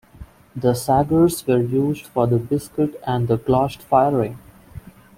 The saggars were used for the biscuit and the glost firing.